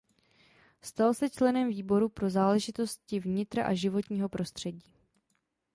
Stal se členem výboru pro záležitosti vnitra a životního prostředí.